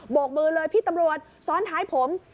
กมือเลยพี่ตำรวจซ้อนท้ายผม